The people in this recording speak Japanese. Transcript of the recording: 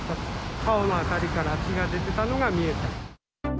顔の辺りから血が出てたのが見えた。